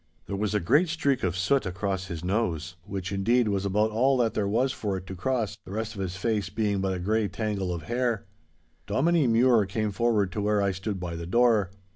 There was a great streak of soot across his nose—which indeed was about all that there was for it to cross, the rest of his face being but a grey tangle of hair. Dominie Mure came forward to where I stood by the door.